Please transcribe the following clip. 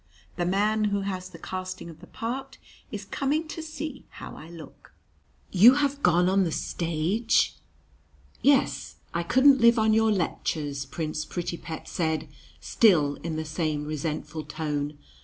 The man who has the casting of the part is coming to see how I look." "You have gone on the stage?" "Yes; I couldn't live on your lectures," Prince Prettypet said, still in the same resentful tone.